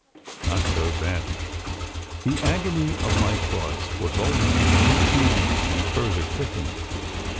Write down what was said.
Not so then. The agony of my thoughts was already too keen to be further quickened.